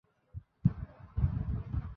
মাহুত হত হইয়া পড়িয়া গিয়াছে।